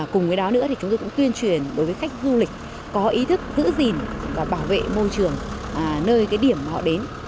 cùng với đó nữa chúng tôi cũng tuyên truyền đối với khách du lịch có ý thức thử gìn và bảo vệ môi trường nơi điểm họ đến